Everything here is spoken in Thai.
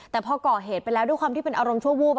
แต่พอก่อเหตุไปแล้วด้วยความที่เป็นอารมณ์ชั่ววูบ